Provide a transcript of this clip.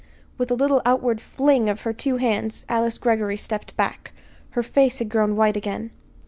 With a little outward fling of her two hands Alice Greggory stepped back. Her face had grown white again.